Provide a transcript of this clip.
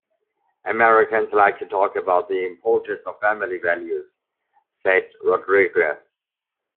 "Americans like to talk about the importance of family values," said Rodriguez.